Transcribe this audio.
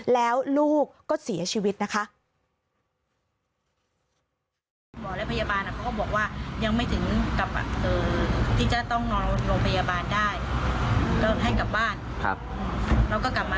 แล้วลูกก็เสียชีวิตนะคะ